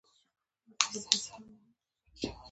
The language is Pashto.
بې سواده کس ړوند شمېرل کېږي